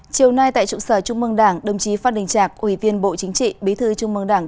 chiều nay tại trụ sở trung mương đảng đồng chí phan đình trạc ủy viên bộ chính trị bí thư trung mương đảng